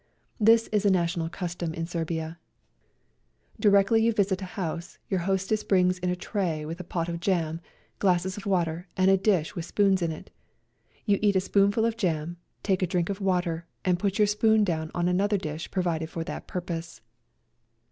This is a national custom in Serbia; directly you visit a house your hostess brings in a tray with a pot of jam, glasses A COLD NIGHT RIDE 87 of water and a dish with spoons on it. You eat a spoonful of jam, take a drink of water, and put your spoon down on another dish provided for that purpose.